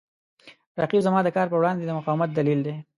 رقیب زما د کار په وړاندې د مقاومت دلیل دی